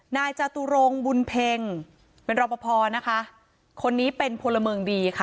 นายจตุรงศ์บุญเพ็งอพนะคะคนนี้เป็นพลเมิงดีค่ะ